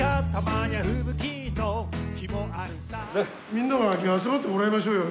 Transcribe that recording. みんな集まってもらいましょうよ。